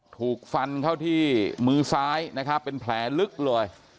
ถูกฟันเข้าที่มือซ้ายนะครับเป็นแผลลึกเลย